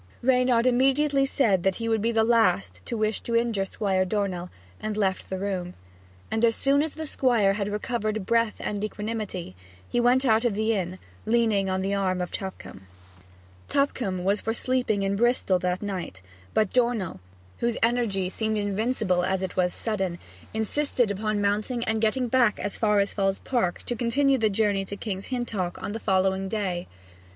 Reynard immediately said that he would be the last to wish to injure Squire Dornell, and left the room, and as soon as the Squire had recovered breath and equanimity, he went out of the inn, leaning on the arm of Tupcombe. Tupcombe was for sleeping in Bristol that night, but Dornell, whose energy seemed as invincible as it was sudden, insisted upon mounting and getting back as far as Falls Park, to continue the journey to King's Hintock on the following day.